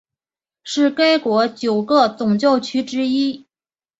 是该国九个总教区之一。